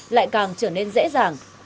lại càng trở nên dễ dàng